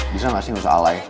bisa gak sih gak usah alay